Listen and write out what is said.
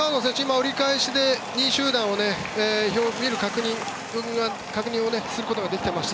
折り返しで２位集団を確認することができていました。